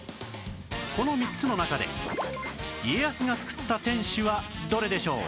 この３つの中で家康が造った天守はどれでしょう？